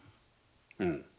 うん。